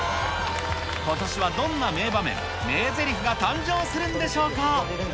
ことしはどんな名場面、名ぜりふが誕生するんでしょうか。